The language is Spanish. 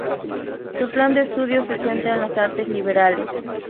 Su plan de estudios se centra en las artes liberales.